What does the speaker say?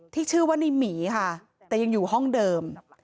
ที่ชื่อว่าในหมีค่ะแต่ยังอยู่ห้องเดิม